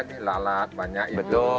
banyak alat banyak itu